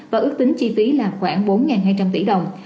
và ước tính chi phí là khoảng bốn hai trăm linh tỷ đồng